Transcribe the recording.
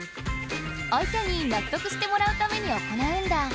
相手に納得してもらうために行うんだ。